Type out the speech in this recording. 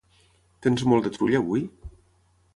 Tens molt de trull avui?